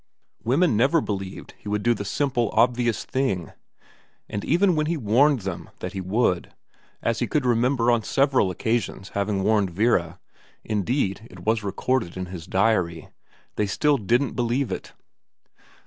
Women never believed he would do the simple, obvious thing. And even when he warned them that he would, as he could remember on several occasions having warned Vara indeed, it was recorded in his diary they still didn't believe it.